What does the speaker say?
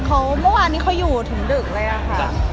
ก็ว่าวันนี้เขาอยู่ถึงดึกเลยอะค่ะ